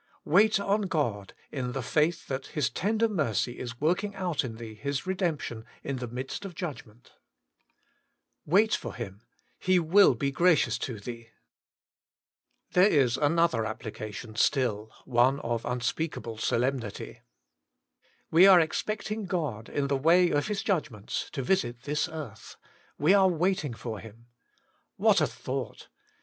* Wait on God, in the faith that His tender mercy is working out in thee His redemption in the midst of judgment: wait for Him, He will be gracious to thee. There is another application still, one of xm speakable solemnity. We are expecting God, in the way of His judgments, to visit this earth : we are waiting for Him. What a thought!